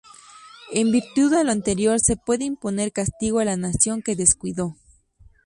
En virtud de lo anterior se puede imponer castigo a la nación que descuidó.